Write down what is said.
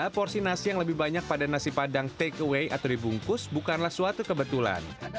porsi nasi yang lebih banyak pada nasi padang take away atau dibungkus bukanlah suatu kebetulan